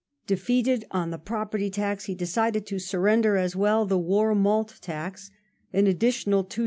Defeated on the Property tax, he decided to surrender as well the " war malt tax "— an additional 2s.